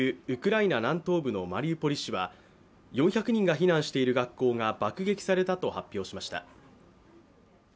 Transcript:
ウクライナ南東部のマリウポリ市は４００人が避難している学校が爆撃されたと発表しました。